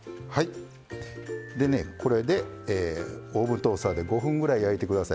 これでオーブントースターで５分ぐらい焼いて下さい。